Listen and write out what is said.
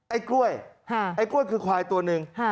ไอ้กล้วยไอ้กล้วยคือควายตัวหนึ่ง